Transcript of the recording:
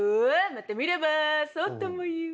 また見ればそうともいう。